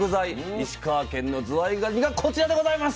石川県のずわいがにがこちらでございます。